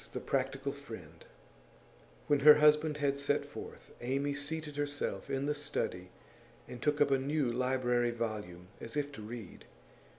THE PRACTICAL FRIEND When her husband had set forth, Amy seated herself in the study and took up a new library volume as if to read.